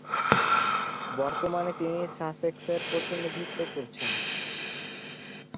বর্তমানে তিনি সাসেক্সের প্রতিনিধিত্ব করছেন।